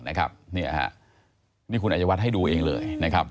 นี่คุณอาจจะวัดให้ดูเองเลย